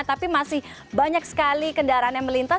tapi masih banyak sekali kendaraan yang melintas